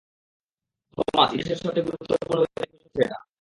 Thomas, ইতিহাসের সবচেয়ে গুরুত্বপূর্ণ বৈজ্ঞানিক মিশন হচ্ছে এটা!